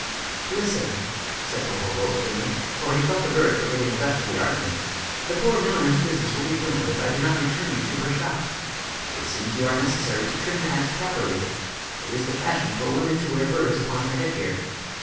"Listen!" said Popopo, sternly, for he felt the birds were getting the best of the argument; "the poor milliner's business will be ruined if I do not return you to her shop. It seems you are necessary to trim the hats properly. It is the fashion for women to wear birds upon their headgear.